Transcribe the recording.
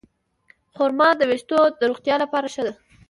خرما د ویښتو د روغتیا لپاره ښه ده.